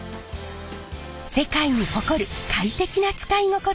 世界に誇る快適な使い心地。